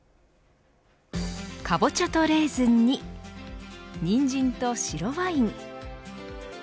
かぼちゃとレーズンににんじんと白ワイン。